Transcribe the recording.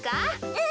うん。